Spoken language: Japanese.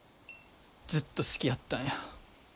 ずっと好きやったんや。